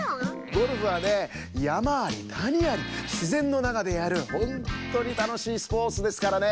ゴルフはねやまありたにありしぜんのなかでやるほんとうにたのしいスポーツですからね。